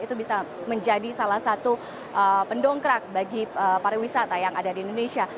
itu bisa menjadi salah satu pendongkrak bagi pariwisata yang ada di indonesia